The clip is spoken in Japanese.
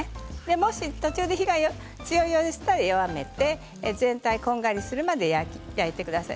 もし途中で火が強いようでしたら弱めて全体がこんがりするまで焼いてください。